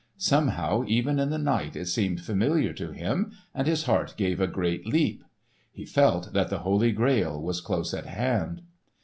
Somehow even in the night it seemed familiar to him, and his heart gave a great leap. He felt that the Holy Grail was close at hand!